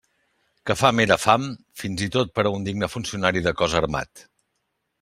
Que fam era fam, fins i tot per a un digne funcionari de cos armat.